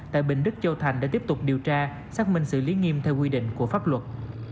tại bình đức châu thành để tiếp tục điều tra xác minh xử lý nghiêm theo quy định của pháp luật